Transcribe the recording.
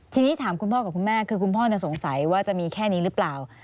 ทีนี้ถามคุณพ่อกับคุณแม่คือคุณพ่อสงสัยว่าจะมีแค่นี้หรือเปล่า